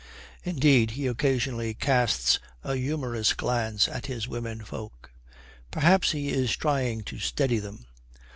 Indeed, he occasionally casts a humorous glance at his women folk. Perhaps he is trying to steady them.